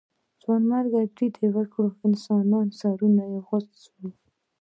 ځانمرګي بريدونه کړئ د انسانانو سرونه غوڅوئ.